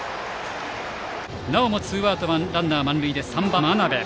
なおもツーアウトランナー満塁で３番、真鍋。